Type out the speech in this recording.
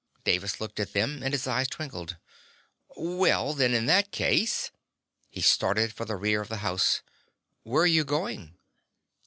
Davis looked at them and his eyes twinkled. "Well, then, in that case " He started for the rear of the house. "Where are you going?"